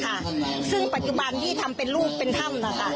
ค่ะซึ่งปัจจุบันที่ทำเป็นรูปเป็นถ้ำนะคะ